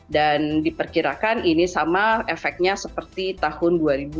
dan diperkirakan ini sama efeknya seperti tahun dua ribu sembilan belas